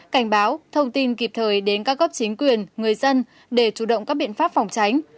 cảnh báo thông tin kịp thời đến các góc chính quyền người dân để chủ động các biện pháp phòng tránh